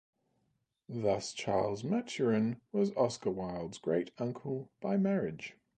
Thus Charles Maturin was Oscar Wilde's great-uncle by marriage.